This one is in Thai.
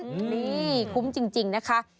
นี่คุ้มจริงนะคะ